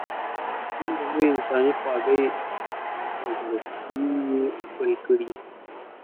دومره لویې انسانې خواږۍ او زړه سوي یې خپل کړي.